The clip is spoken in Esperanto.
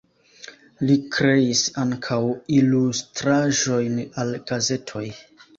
Li kreis ankaŭ ilustraĵojn al gazetoj.